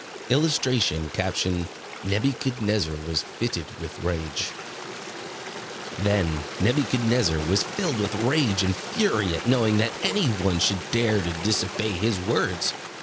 [Illustration: Nebuchadnezzar was fitted with rage] Then Nebuchadnezzar was filled with rage and fury at knowing that any one should dare to disobey his words.